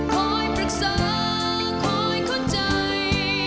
คอยปรึกษาคอยเข้าใจ